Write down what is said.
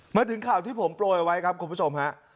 มาถึงข่าวที่ผมโปรยเอาไว้ครับคุณผู้ชมฮะ